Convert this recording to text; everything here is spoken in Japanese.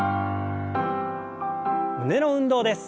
胸の運動です。